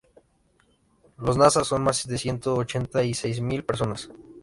Los nasa son más de ciento ochenta y seis mil personas.